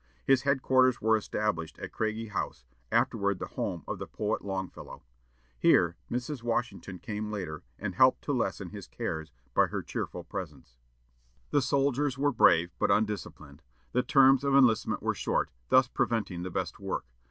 His headquarters were established at Craigie House, afterward the home of the poet Longfellow. Here Mrs. Washington came later, and helped to lessen his cares by her cheerful presence. The soldiers were brave but undisciplined; the terms of enlistment were short, thus preventing the best work.